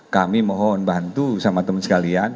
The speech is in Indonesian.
kami mohon bantu sama teman sekalian